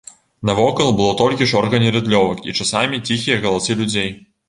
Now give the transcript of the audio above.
Навокал было толькі шорганне рыдлёвак і часамі ціхія галасы людзей.